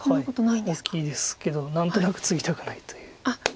大きいですけど何となくツギたくないという。